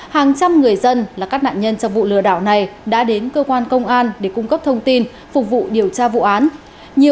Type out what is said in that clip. hàng trăm người dân là các nạn nhân trong vụ lừa đảo này đã đến cơ quan công an để cung cấp thông tin phục vụ điều tra vụ án